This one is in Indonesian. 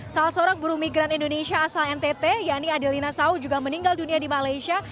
salah seorang buru migran indonesia asal ntt yanni adelina sau juga meninggal dunia di malaysia